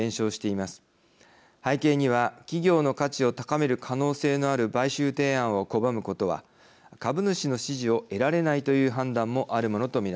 背景には企業の価値を高める可能性のある買収提案を拒むことは株主の支持を得られないという判断もあるものと見られます。